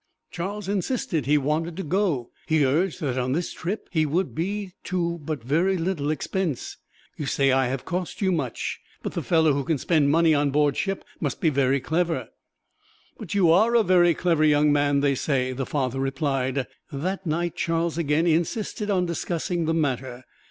Charles insisted he wanted to go! He urged that on this trip he would be to but very little expense. "You say I have cost you much, but the fellow who can spend money on board ship must be very clever." "But you are a very clever young man, they say," the father replied. That night Charles again insisted on discussing the matter.